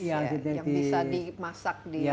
yang bisa dimasak di